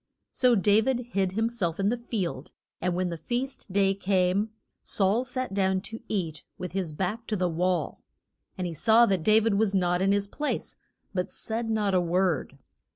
So Da vid hid him self in the field; and when the feast day came Saul sat down to eat with his back to the wall. And he saw that Da vid was not in his place, but said not a word.